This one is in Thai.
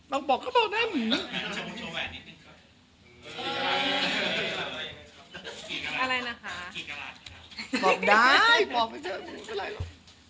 เราบอกก็บอกได้อืมอะไรนะคะบอกได้บอกไปเถอะอืมก็อะไรหรอ